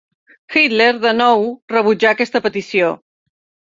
Hitler, de nou, rebutjà aquesta petició.